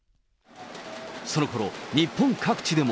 そのころ、日本各地でも。